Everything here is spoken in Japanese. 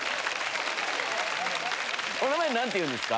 お名前何ていうんですか？